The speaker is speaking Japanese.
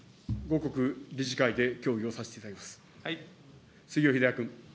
後刻、理事会で協議をさせていただきます。